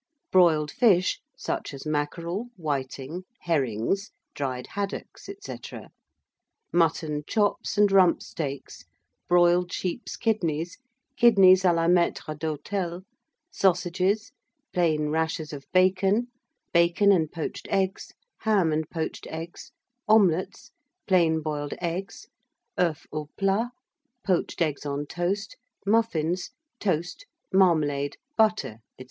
Broiled fish, such as mackerel, whiting, herrings, dried haddocks, &c. mutton chops and rump steaks, broiled sheep's kidneys, kidneys à la maître d'hôtel, sausages, plain rashers of bacon, bacon and poached eggs, ham and poached eggs, omelets, plain boiled eggs, oeufs au plat, poached eggs on toast, muffins, toast, marmalade, butter, &c.